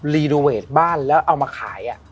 รีโนเวทบ้านแล้วเอามาขาย